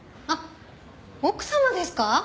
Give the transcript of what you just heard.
あっ奥様ですか？